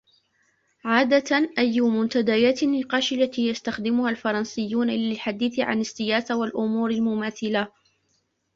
عادةً, أي منتديات النقاش التي يستخدمها الفرنسيون للحديث عن السياسة والأُمور المماثلة؟